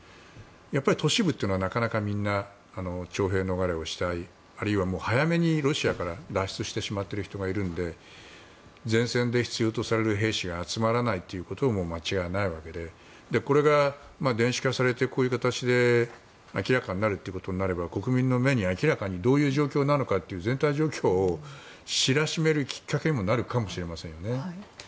やっぱり都市部はみんな、徴兵逃れをしたいあるいは早めにロシアから脱出してしまっている人がいるので前線で必要とされる兵士が集まらないことは間違いないわけでこれが電子化されてこういう形で明らかになるということになれば国民の目に明らかにどういう状況なのかというのを全体状況を知らしめるきっかけにもなるかもしれませんよね。